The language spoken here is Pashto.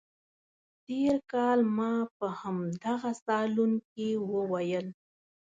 تېر کال ما په همدغه صالون کې وویل.